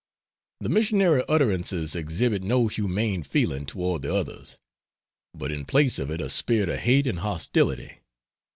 The missionary utterances exhibit no humane feeling toward the others, but in place of it a spirit of hate and hostility.